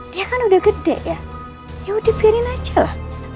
dia kan udah gede ya yaudah dibiarin aja lah